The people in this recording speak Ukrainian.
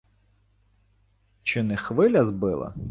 Чи не хвиля збила?